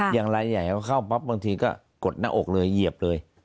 อย่างไรก็เข้าปั๊บบางทีก็กดหน้าอกเลยเหยียบเลย